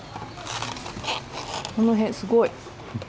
この辺、すごい。